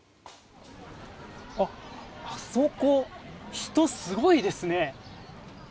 あそこ、人すごいですね。